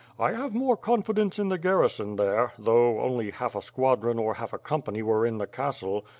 I have more confidence in the garrison there, though only half a squadron or half a company were in the castle!